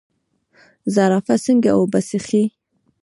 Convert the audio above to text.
زرافه څنګه اوبه څښي؟